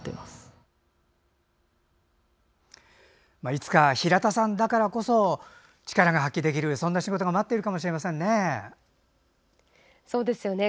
いつか平田さんだからこそ力が発揮できるそんな仕事が待っているかもそうですよね。